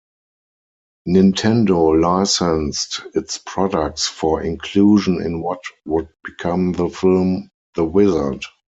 Nintendo licensed its products for inclusion in what would become the film "The Wizard".